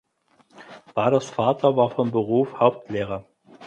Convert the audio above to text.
Baaders Vater war von Beruf Hauptlehrer.